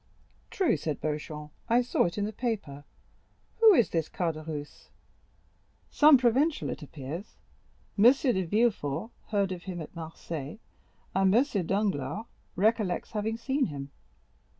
"True," said Beauchamp; "I saw it in the paper. Who is this Caderousse?" "Some Provençal, it appears. M. de Villefort heard of him at Marseilles, and M. Danglars recollects having seen him.